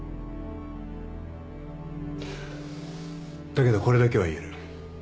だけどこれだけは言える。